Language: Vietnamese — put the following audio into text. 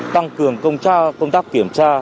tăng cường công tác kiểm tra